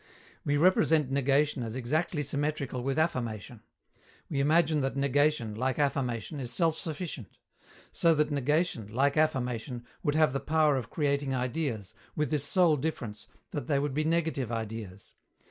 We represent negation as exactly symmetrical with affirmation. We imagine that negation, like affirmation, is self sufficient. So that negation, like affirmation, would have the power of creating ideas, with this sole difference that they would be negative ideas.